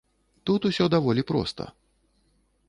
Тут усё даволі проста.